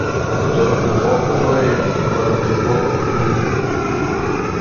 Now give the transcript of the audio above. Kdor globoko orje, mora globoko gnojiti.